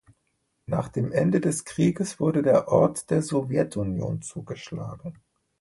Nach dem Ende des Krieges wurde der Ort der Sowjetunion zugeschlagen.